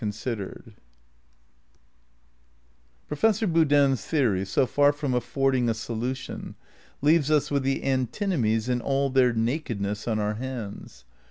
iii Professor Boodin's theory, so far from affording a The solution, leaves us with the antinomies in all their nak o^pact edness on our hands.